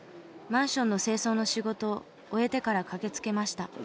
マンションの清掃の仕事を終えてから駆けつけました。